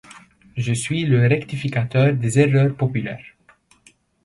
Je suis le rectificateur des erreurs populaires.